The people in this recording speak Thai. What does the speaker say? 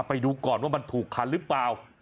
ไปดูก่อนว่ามันถูกคันหรือเปล่า